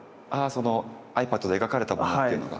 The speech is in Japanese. そのｉＰａｄで描かれたものっていうのが？